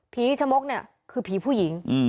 ชะมกเนี่ยคือผีผู้หญิง